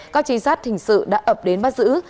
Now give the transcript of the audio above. các trinh sát hình sự đã ập đến bắt giữ